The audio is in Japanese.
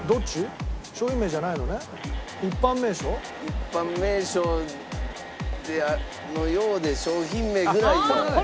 一般名称のようで商品名ぐらいの。